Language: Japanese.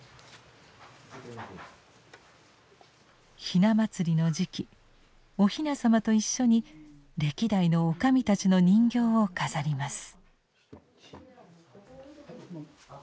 ひな祭りの時期おひな様と一緒に歴代の女将たちの人形を飾ります。